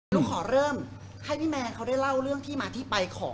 ลูกขอเริ่มให้พี่แมนเขาได้เล่าเรื่องที่มาที่ไปของ